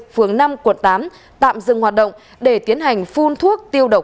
phường năm quận tám tạm dừng hoạt động để tiến hành phun thuốc tiêu độc